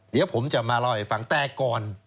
เดี๋ยวผมจะมาเล่าให้ฟังแต่ก่อน